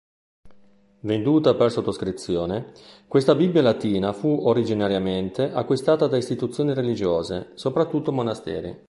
Venduta per sottoscrizione, questa bibbia latina fu originariamente acquistata da istituzioni religiose, soprattutto monasteri.